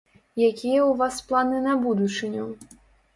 Якія ў вас планы на будучыню?